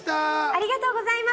ありがとうございます！